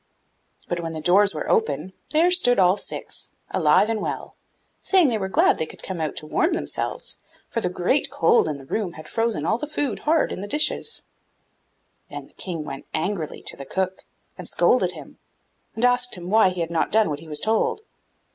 But when the doors were opened, there stood all Six, alive and well, saying they were glad they could come out to warm themselves, for the great cold in the room had frozen all the food hard in the dishes. Then the King went angrily to the cook, and scolded him, and asked him why he had not done what he was told.